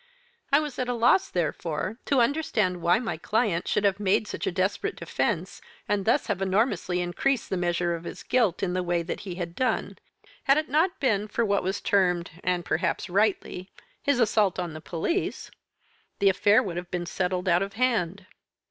I was at a loss, therefore, to understand why my client should have made such a desperate defence and thus have enormously increased the measure of his guilt in the way he had done. Had it not been for what was termed, and perhaps rightly, his assault on the police, the affair would have been settled out of hand.